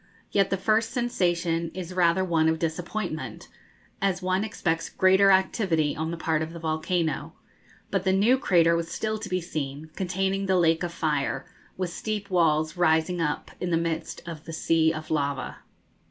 Yet the first sensation is rather one of disappointment, as one expects greater activity on the part of the volcano; but the new crater was still to be seen, containing the lake of fire, with steep walls rising up in the midst of the sea of lava.